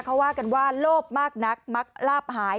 เขาว่ากันว่าโลภมากนักมักลาบหาย